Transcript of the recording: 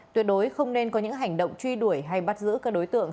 tuyệt đối không nên có những hành động truy đuổi hay bắt giữ các đối tượng